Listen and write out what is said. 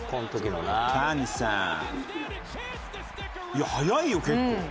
「いや速いよ結構」